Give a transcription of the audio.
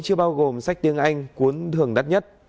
chưa bao gồm sách tiếng anh cuốn thường đắt nhất